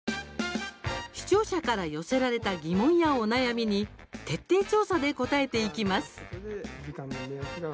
視聴者から寄せられた疑問やお悩みに徹底調査で応えていきます。